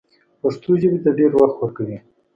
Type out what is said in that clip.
پښتو ژبې ته ډېر وخت ورکوي